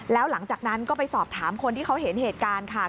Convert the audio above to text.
แล้วหลังจากนั้นก็ไปสอบถามคนที่เขาเห็นเหตุการณ์ค่ะ